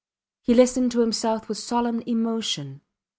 He listened to himself with solemn emotion.